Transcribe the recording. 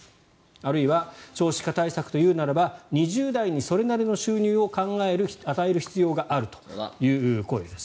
あるいは少子化対策というならば２０代にそれなりの収入を与える必要があるという声です。